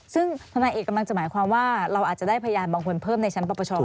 ซึ่งธนายเอกกำลังจะหมายความว่าเราอาจจะได้พยานบางคนเพิ่มในชั้นประประชา